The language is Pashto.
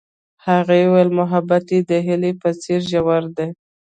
هغې وویل محبت یې د هیلې په څېر ژور دی.